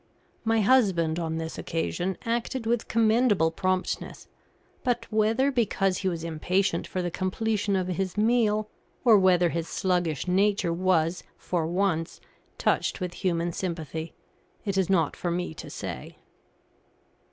My husband, on this occasion, acted with commendable promptness; but whether because he was impatient for the completion of his meal, or whether his sluggish nature was for once touched with human sympathy, it is not for me to say.